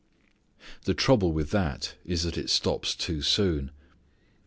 The trouble with that is that it stops too soon.